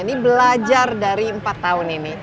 ini belajar dari empat tahun ini